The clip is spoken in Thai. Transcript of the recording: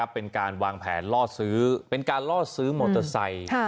เป็นการวางแผนล่อซื้อเป็นการล่อซื้อมอเตอร์ไซค์